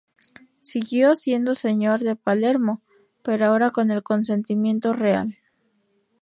Siguió siendo señor de Palermo, pero ahora con el consentimiento real.